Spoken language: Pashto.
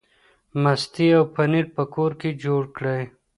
ماستې او پنیر په کور کې جوړ کړئ.